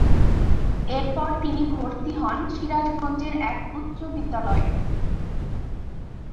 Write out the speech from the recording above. এরপর তিনি ভর্তি হন সিরাজগঞ্জের এক উচ্চ বিদ্যালয়ে।